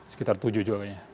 sekitar tujuh juga